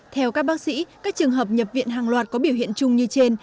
theo các bác sĩ các trường hợp nhập viện hàng loạt có biểu hiện chung như trên